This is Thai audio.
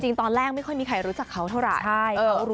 ตอนแรกไม่ค่อยมีใครรู้จักเขาเท่าไหร่